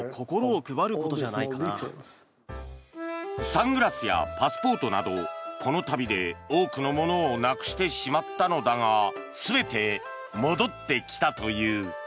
サングラスやパスポートなどこの旅で多くのものをなくしてしまったのだが全て戻ってきたという。